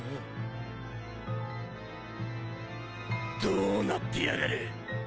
どうなってやがる！？